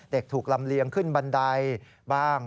ถูกลำเลียงขึ้นบันไดบ้าง